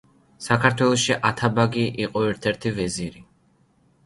საქართველოში ათაბაგი იყო ერთ-ერთი ვეზირი.